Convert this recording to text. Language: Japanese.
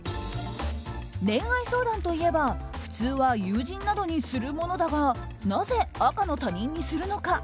恋愛相談といえば普通は友人などにするものだがなぜ、赤の他人にするのか。